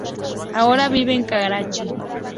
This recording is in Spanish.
Ahora vive en Karachi.